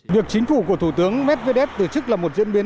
việc chính phủ của thủ tướng medvedev từ chức là một diễn biến